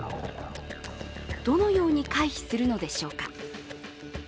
どのように回避するのでしょうか。